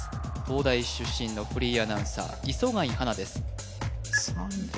東大出身のフリーアナウンサー磯貝初奈です